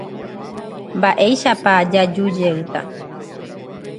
Mba'éichapa jajujeýta.